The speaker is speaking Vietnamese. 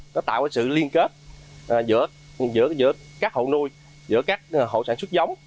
nó tạo sự liên kết giữa các hộ nuôi giữa các hộ sản xuất giống